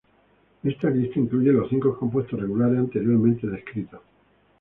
Esta lista incluye los cinco compuestos regulares anteriormente descritos.